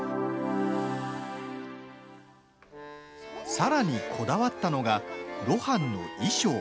さらにこだわったのが露伴の衣装。